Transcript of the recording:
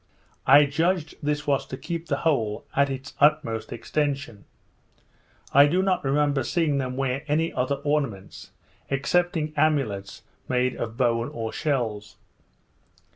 I judged this was to keep the hole at its utmost extension. I do not remember seeing them wear any other ornaments, excepting amulets made of bone or shells.